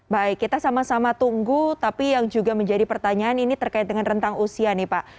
baik kita sama sama tunggu tapi yang juga menjadi pertanyaan ini terkait dengan rentang usia nih pak